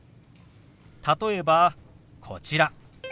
例えばこちら。